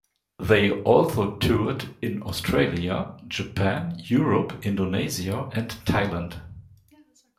They also toured in Australia, Japan, Europe, Indonesia, and Thailand.